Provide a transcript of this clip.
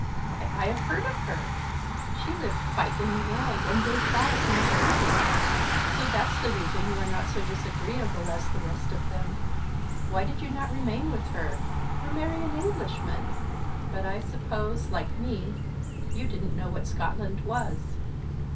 "Why, I have heard of her; she lived quite in the world; and gave balls and assemblies; so that's the reason you are not so disagreeable as the rest of them. Why did you not remain with her, or marry an Englishman? But I suppose, like me, you didn't know what Scotland was!"